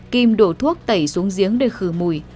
kim đổ thuốc tẩy xuống giếng để khử mùi